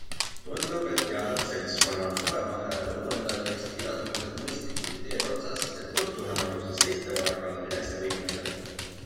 Tundub, et teatud seltskonnal on suvevaheaja lõpunädalaiks igasugused mõistlikud ideed otsas, et õhtuhämaruses teiste vara kallal enese võimu näidata.